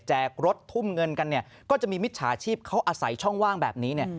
รถทุ่มเงินกันเนี่ยก็จะมีมิจฉาชีพเขาอาศัยช่องว่างแบบนี้เนี่ย